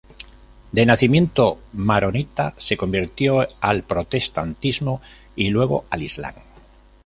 De nacimiento maronita, se convirtió al protestantismo y luego al Islam.